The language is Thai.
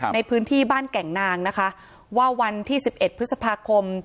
ในพื้นที่บ้านแก่งนางนะคะว่าวันที่๑๑พฤษภาคม